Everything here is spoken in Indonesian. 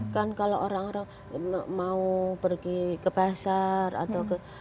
kan kalau orang orang mau pergi ke pasar atau ke